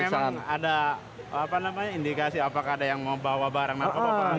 iya kita curigai memang ada apa namanya indikasi apakah ada yang mau bawa barang narkoba